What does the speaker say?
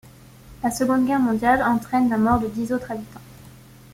La Seconde Guerre mondiale entraîne la mort de dix autres habitants.